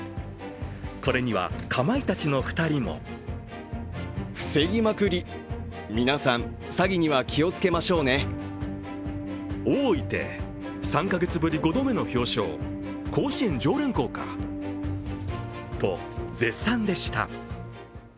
これには、かまいたちの２人もと、絶賛でした。